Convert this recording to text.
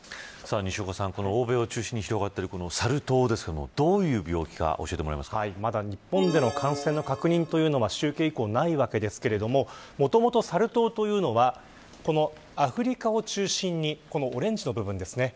西岡さん、欧米を中心に広がっているサル痘ですがどういう病気かまだ日本での感染の確認というのは集計以降ないわけですがもともとサル痘というのはアフリカを中心にオレンジの部分です。